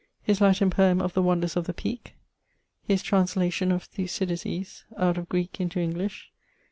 _ His Latine poem of the wonders of the Peake. His translation of Thucidides out of Greek into English.